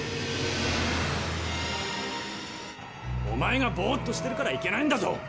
おまえがぼっとしてるからいけないんだぞ！